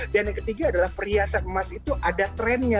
dan yang ketiga adalah perhiasan emas itu ada trennya